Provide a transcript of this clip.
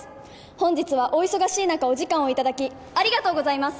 本日はお忙しい中お時間をいただきありがとうございます！